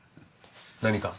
何か？